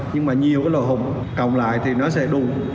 nhưng mà nhiều cái lỗ hỏng cộng lại thì nó sẽ đun